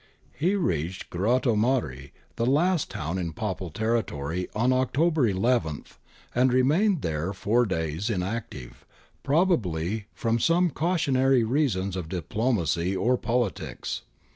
He reached Grottammare, the last town in Papal territory, on October 11, and remained there four days inactive, probably from some cautionary reasons of diplomacy or politics.